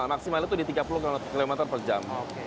maksimal itu di tiga puluh km per jam